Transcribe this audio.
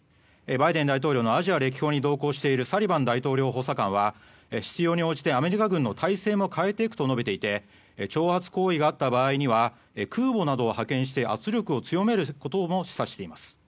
バイデン大統領のアジア歴訪に同行しているサリバン大統領補佐官は必要に応じてアメリカ軍の態勢も変えていくと述べていて挑発行為があった場合には空母を派遣して圧力を強めることも示唆しています。